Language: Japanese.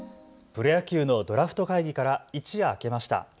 プロ野球のドラフト会議から一夜明けました。